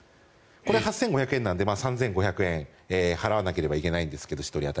これ８５００円なので１人当たり３５００円払わないといけないんですが。